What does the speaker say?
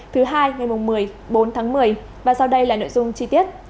thứ hai ngày một mươi bốn tháng một mươi và sau đây là nội dung chi tiết